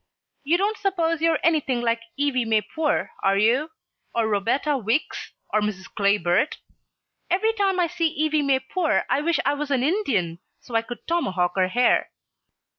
You don't suppose you're anything like Evie May Poore, do you? or Roberta Wicks, or Mrs. Clay Burt? Every time I see Evie May Poore I wish I was an Indian so I could tomahawk her hair.